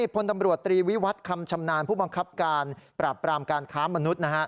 พลตำรวจตรีวิวัตรคำชำนาญผู้บังคับการปราบปรามการค้ามนุษย์